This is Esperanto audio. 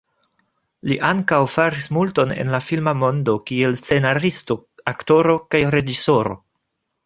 Li ankaŭ faris multon en la filma mondo kiel scenaristo, aktoro kaj reĝisoro.